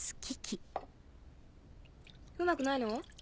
うまくないの？